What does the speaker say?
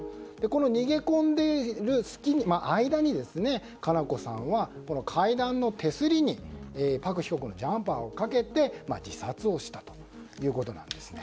この逃げ込んでいる間に佳菜子さんは階段の手すりにパク被告のジャンパーをかけて自殺をしたということなんですね。